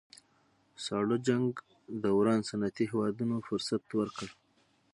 ساړه جنګ دوران صنعتي هېوادونو فرصت ورکړ